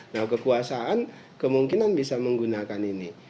nah kekuasaan kemungkinan bisa menggunakan ini